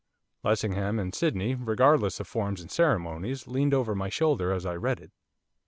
Lessingham and Sydney, regardless of forms and ceremonies, leaned over my shoulder as I read it.